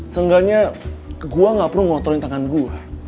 seenggaknya gue gak perlu ngotroin tangan gue